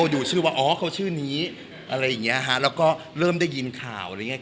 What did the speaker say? ดูชื่อว่าอ๋อเขาชื่อนี้อะไรอย่างเงี้ยฮะแล้วก็เริ่มได้ยินข่าวอะไรอย่างเงี้